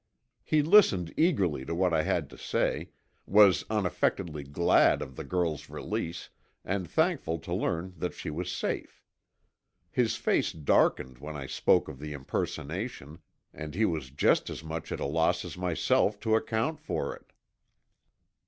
He listened eagerly to what I had to say, was unaffectedly glad of the girl's release and thankful to learn that she was safe. His face darkened when I spoke of the impersonation, and he was just as much at a loss as myself to account for it.